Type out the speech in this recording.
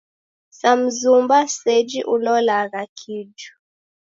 Sa mzumba seji ulolagha kiju.